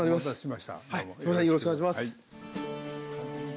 よろしくお願いします。